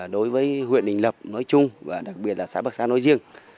đối với huyện đình lập nói chung và đặc biệt là xã bắc xá nói riêng